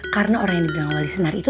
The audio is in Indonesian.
karena orang yang dibilang wali senar itu